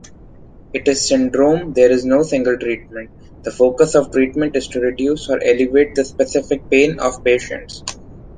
It is syndrome, there is no single treatment. The focus of treatment is to reduce or alleviate the specific pain of patients.